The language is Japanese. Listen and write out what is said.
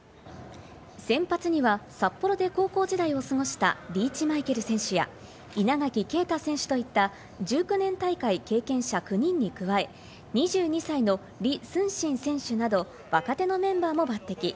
先発には札幌で高校時代を過ごしたリーチ・マイケル選手や稲垣啓太選手といった１９年大会経験者９人に加え２２歳のリ・スンシン選手など若手のメンバーも抜てき。